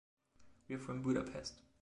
We’re from Budapest.